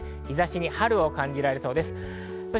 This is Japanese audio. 日差しに春を感じられそうです。